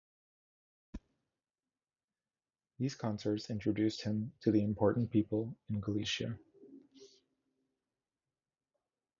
These concerts introduced him to the important people in Galicia.